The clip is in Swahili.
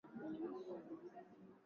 ya kile kilichowekwa kwa umoja wa ulaya